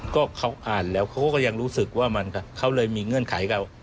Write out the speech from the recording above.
ก็เขาอ่านแล้วเขาก็ยังรู้สึกว่ามันเขาเลยมีเงื่อนไขเขา